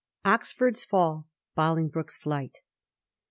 oxford's fall ; bolingbroke's flight.